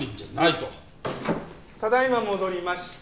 ただ今戻りました。